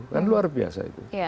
kan luar biasa itu